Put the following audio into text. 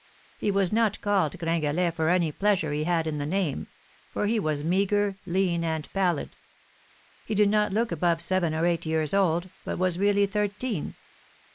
He was not called Gringalet for any pleasure he had in the name, for he was meagre, lean, and pallid; he did not look above seven or eight years old, but was really thirteen.